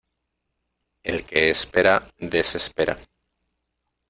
El que espera desespera.